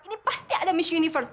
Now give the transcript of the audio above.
ini pasti ada misuniverse